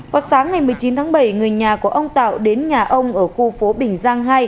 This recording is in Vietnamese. vào sáng ngày một mươi chín tháng bảy người nhà của ông tạo đến nhà ông ở khu phố bình giang hai